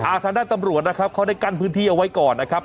ทางด้านตำรวจนะครับเขาได้กั้นพื้นที่เอาไว้ก่อนนะครับ